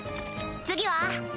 次は？